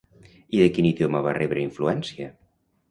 I de quin idioma va rebre influència?